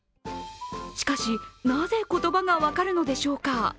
しかし、なぜ言葉が分かるのでしょうか。